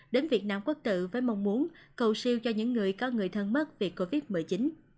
đến việt nam quốc tự với mong muốn cầu siêu cho những người có người thân mất vì covid một mươi chín